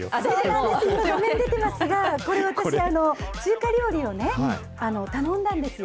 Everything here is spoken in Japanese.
画面出てますが、これ、私、中華料理をね、頼んだんですよ。